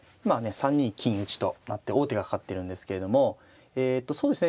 ３二金打となって王手がかかってるんですけれどもえとそうですね